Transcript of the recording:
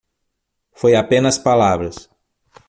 Foi apenas palavras.